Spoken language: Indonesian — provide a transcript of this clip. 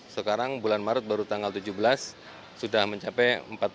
sekarang bulan maret baru tanggal tujuh belas sudah mencapai empat puluh